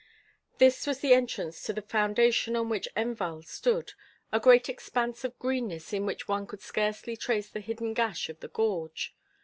This was the entrance to the foundation on which Enval stood, a great expanse of greenness in which one could scarcely trace the hidden gash of the gorge.